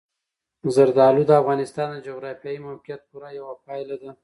زردالو د افغانستان د جغرافیایي موقیعت پوره یوه پایله ده.